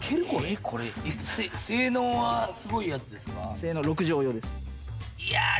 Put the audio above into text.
性能はすごいやつですか？